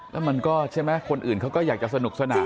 แล้วมันก็ใช่ไหมคนอื่นเขาก็อยากจะสนุกสนาน